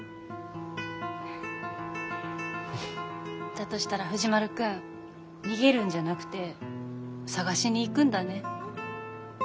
だとしたら藤丸君逃げるんじゃなくて探しに行くんだね。